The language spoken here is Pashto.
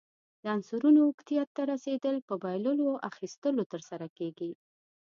د عنصرونو اوکتیت ته رسیدل په بایللو، اخیستلو ترسره کیږي.